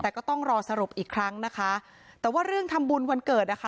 แต่ก็ต้องรอสรุปอีกครั้งนะคะแต่ว่าเรื่องทำบุญวันเกิดนะคะ